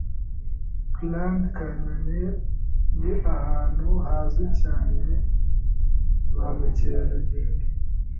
Grand Canyon ni ahantu hazwi cyane ba mukerarugendo.